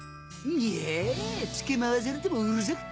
いやぁつけ回されてもううるさくて。